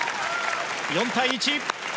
４対１。